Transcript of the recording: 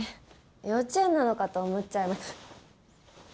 幼稚園なのかと思っちゃいまうっ。